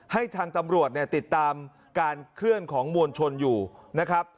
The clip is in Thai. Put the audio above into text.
ให้ทางตำรวจเนี่ยติดตามการเคลื่อนของมวลชนอยู่นะครับ